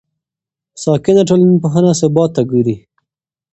ساکنه ټولنپوهنه ثبات ته ګوري.